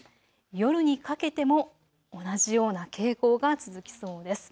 夜にかけても同じような傾向が続きそうです。